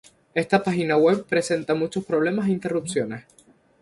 esta página web presenta muchos problemas e interrupciones